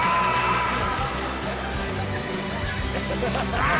あっ！